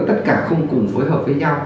tất cả không cùng phối hợp với nhau